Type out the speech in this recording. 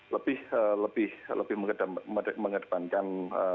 lebih lebih lebih mengedepankan